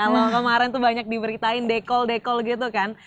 kalau kemarin tuh banyak diberitain dekol dekol gitu kan